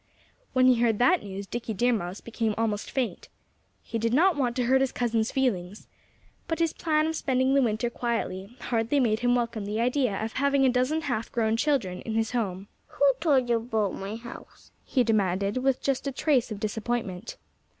When he heard that news Dickie Deer Mouse became almost faint. He did not want to hurt his cousins' feelings. But his plan of spending the winter quietly hardly made him welcome the idea of having a dozen half grown children in his home. "Who told you about my house?" he demanded with just a trace of disappointment.